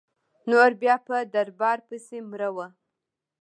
نور بیا په دربار پسي مړه وه.